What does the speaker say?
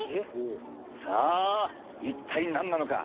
さあ一体何なのか？